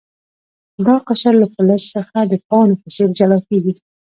دا قشر له فلز څخه د پاڼو په څیر جلا کیږي.